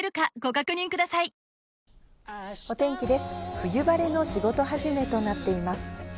冬晴れの仕事始めとなっています。